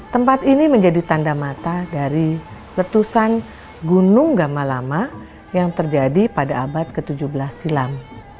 tempat ini menjadi tanda mata dari letusan gunung gamalama yang terjadi pada abad ke tujuh belas silam